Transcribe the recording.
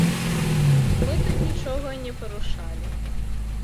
Мы тут нічога не парушалі.